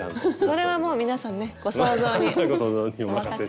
それはもう皆さんねご想像にお任せ。